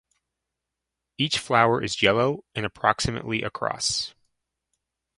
Each flower is yellow and approximately across.